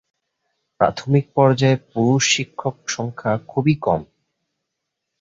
প্রাথমিক পর্যায়ে পুরুষ শিক্ষক সংখ্যা খুবই কম।